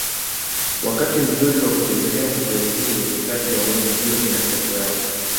Wakati mzuri wa kutembelea hifadhi hii ni kati ya mwezi Juni na Februari